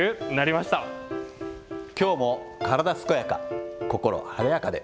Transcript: きょうも体すこやか、心晴れやかで。